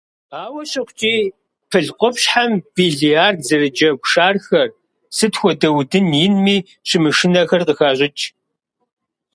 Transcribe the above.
Ауэ щыхъукӀи, пыл къупщхьэм биллиард зэрыджэгу шархэр, сыт хуэдэ удын инми щымышынэхэр, къыхащӀыкӀ.